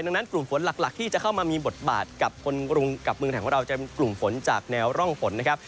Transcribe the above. ดังนั้นกลุ่มฝนหลักที่จะเข้ามามีบทบาทกับคนกรุงกับเมืองไทยของเราจะเป็นกลุ่มฝนจากแนวร่องฝนนะครับ